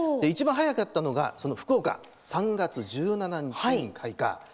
一番早かったのが福岡３月１７日に開花。